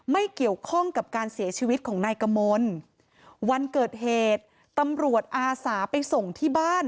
ไม่เกี่ยวข้องกับการเสียชีวิตของนายกมลวันเกิดเหตุตำรวจอาสาไปส่งที่บ้าน